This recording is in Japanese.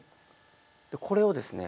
でこれをですね